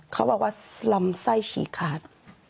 เขาบอกว่าลำไส้ฉีกขาด